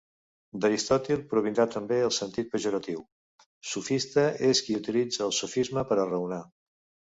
D'Aristòtil, provindrà també el sentit pejoratiu: sofista és qui utilitza el sofisma per a raonar.